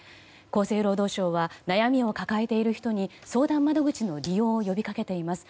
厚生労働省は悩みを抱えている人に相談窓口の利用を呼びかけています。